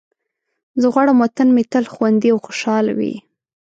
زه غواړم وطن مې تل خوندي او خوشحال وي.